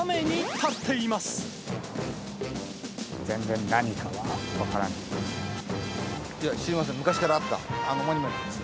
全然、何かは分からないです。